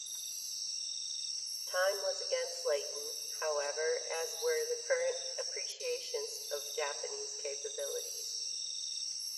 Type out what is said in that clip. Time was against Layton, however, as were the current appreciations of Japanese capabilities.